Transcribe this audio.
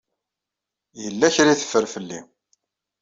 Yella kra ay teffer fell-i.